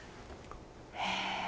へえ！